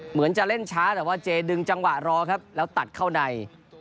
เหมือนจะเล่นช้าแต่ว่าเจดึงจังหวะรอครับแล้วตัดเข้าใน